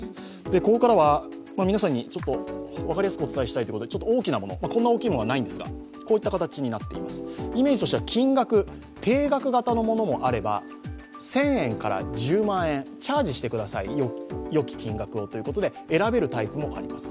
ここからは皆さんに分かりやすくお伝えしたいということで、大きなもの、こんな大きいのはないんですがこういった形になっています、イメージとしては金額、定額型のものもあれば、１０００円から１０万円、チャージしてくださいということで選べるタイプもあります。